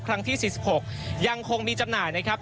ที่๔๖ยังคงมีจำหน่ายนะครับ